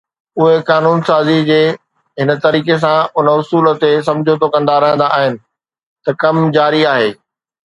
اهي قانون سازي جي هن طريقي سان ان اصول تي سمجهوتو ڪندا رهندا آهن ته ڪم جاري آهي